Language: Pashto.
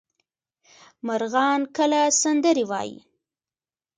مرغان کله سندرې وايي؟